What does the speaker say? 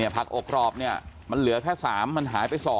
ผักอบกรอบมันเหลือแค่๓มันหายไป๒